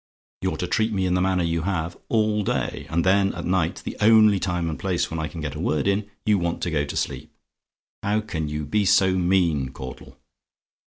You're to treat me in the manner you have, all day; and then at night, the only time and place when I can get a word in, you want to go to sleep. How can you be so mean, Caudle?